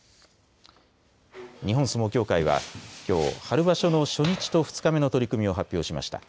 日本相撲協会はきょう春場所の初日と２日目の取組を発表しました。